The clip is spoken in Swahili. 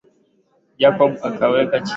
Jacob akaweka chini mkasi alokuwa nao